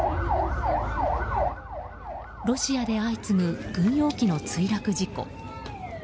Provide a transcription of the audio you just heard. ロシアで相次ぐ軍用機の墜落事故。